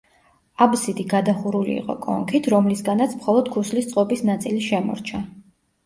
აბსიდი გადახურული იყო კონქით, რომლისგანაც მხოლოდ ქუსლის წყობის ნაწილი შემორჩა.